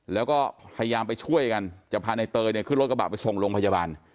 แล้วก็พยายามไปช่วยกันจะพาในเตยเนี่ยขึ้นรถกระบะไปส่งโรงพยาบาล